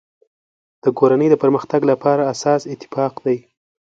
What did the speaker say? د کورنی د پرمختګ لپاره اساس اتفاق دی.